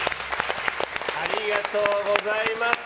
ありがとうございます。